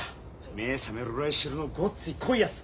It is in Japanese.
目ぇ覚めるぐらい汁のごっつい濃いやつ！